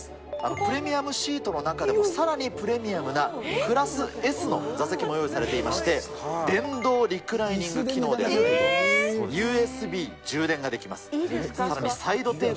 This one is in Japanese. プレミアムシートの中でもさらにプレミアムなクラスＳの座席も用意されていまして、電動リクライニング機能ですとか、ＵＳＢ充電ができます。